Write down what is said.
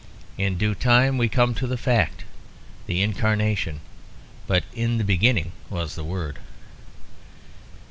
In due time we come to the fact, the incarnation; but in the beginning was the Word.